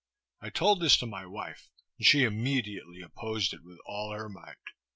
I told this to my wife, and she immediately opposed it with all her might.